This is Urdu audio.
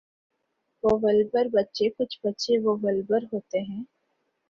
وولبر بچے کچھ بچے وولبر ہوتے ہیں۔